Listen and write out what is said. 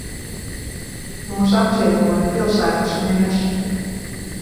Mūs apciemoja pilsētas mērs